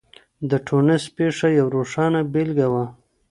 د ټونس پېښه يوه روښانه بېلګه وه.